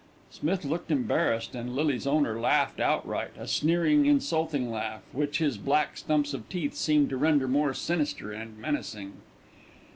Smith looked embarrassed and Lily's owner laughed outright, a sneering, insulting laugh, which his black stumps of teeth seemed to render more sinister and menacing.